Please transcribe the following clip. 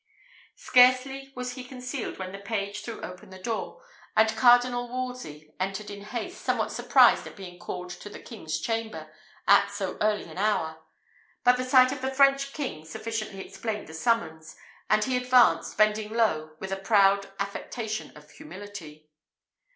Scarcely was he concealed when the page threw open the door, and Cardinal Wolsey entered in haste, somewhat surprised at being called to the king's chamber at so early an hour; but the sight of the French king sufficiently explained the summons, and he advanced, bending low with a proud affectation of humility.